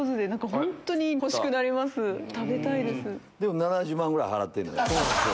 でも７０万ぐらい払ってるのよ。